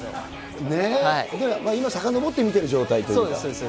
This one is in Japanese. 今、さかのぼって見てる状態そうです。